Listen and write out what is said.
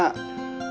masa keliatan warna